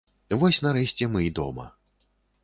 Вось нарэшце мы і дома.